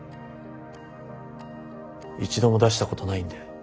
一度も出したことないんで。